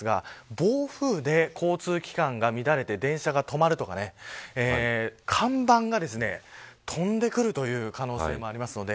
暴風で交通機関が乱れて電車が止まるとか看板が飛んでくるという可能性もあります。